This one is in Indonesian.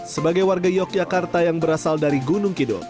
sebagai warga yogyakarta yang berasal dari gunung kidul